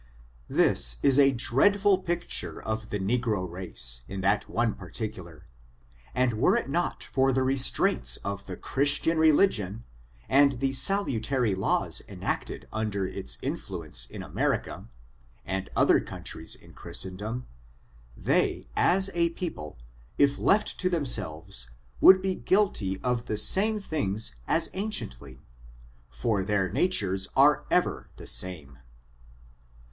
This is a dreadful picture of the negro race, in that one particular, and were it not for the restraints of the Christian religion, and the salutary laws enacted im der its influence in America, and other countries in Christendom, they, as a people, if left to themselves, would be guQty of the same tilings as anciently, for their natures are ever the same.